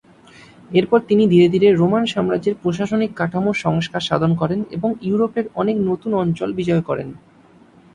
এরপর তিনি ধীরে ধীরে রোমান সাম্রাজ্যের প্রশাসনিক কাঠামোর সংস্কার সাধন করেন এবং ইউরোপের অনেক নতুন অঞ্চল বিজয় করেন।